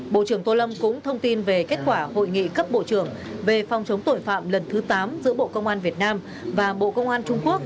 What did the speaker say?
bộ trưởng tô lâm cũng thông tin về kết quả hội nghị cấp bộ trưởng về phòng chống tội phạm lần thứ tám giữa bộ công an việt nam và bộ công an trung quốc